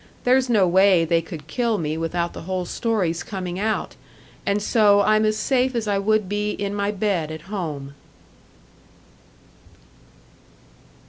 There's no way they could kill me without the whole story's coming out and so I'm as safe as I would be in my bed at home!"